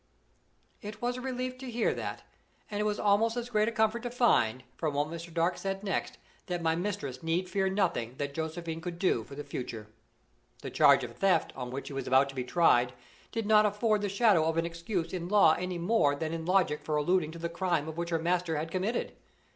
It was a relief to hear that and it was almost as great a comfort to find, from what Mr. Dark said next, that my mistress need fear nothing that Josephine could do for the future. The charge of theft, on which she was about to be tried, did not afford the shadow of an excuse in law any more than in logic for alluding to the crime which her master had committed.